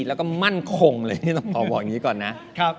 และมั่นคงเลยพอบอกอย่างนี้ก่อนนะ